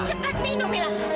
cepet minum ya